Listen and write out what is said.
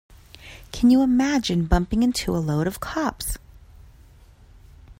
Can you imagine bumping into a load of cops?